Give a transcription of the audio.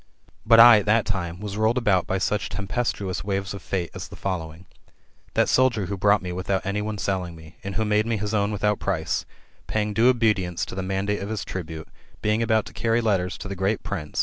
But I, at that time, was rolled about by such tempestuous waves of Fate as the following : That soldier who bought me without anyone selling me, and who made me his own without price, paying due obedience to the mandate of his tribune, being about to carry letters to the great prince [i.